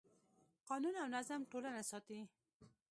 قانون او نظم ټولنه ساتي.